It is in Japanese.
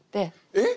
えっ！？